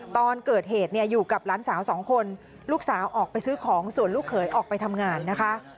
ตอนเกิดเหตุเนี่ยอยู่กับหลานสาวสองคนลูกสาวออกไปซื้อของส่วนลูกเขยออกไปทำงานนะคะ